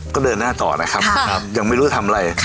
ก็เดินหน้าต่อนะครับยังไม่รู้จะทำอะไร